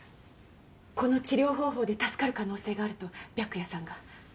この治療方法で助かる可能性があると白夜さんが。